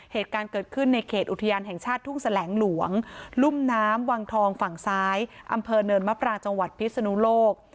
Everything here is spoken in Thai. เหตุการณ์เกิดขึ้นในเขตอุทยานแห่งชาติทุ่งแสลงหลวงรุ่มน้ำวังทองฝั่งซ้ายอำเภอเนินมะปรางจังหวัดพิศนุโลก